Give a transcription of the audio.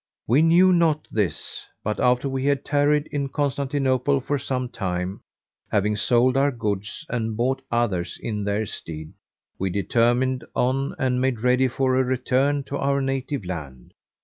We knew not this; but, after we had tarried in Constantinople for some time, having sold our goods and bought others in their stead, we determined on and made ready for a return to our native land.